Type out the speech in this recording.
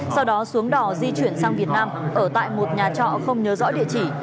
sau đó xuống đò di chuyển sang việt nam ở tại một nhà trọ không nhớ rõ địa chỉ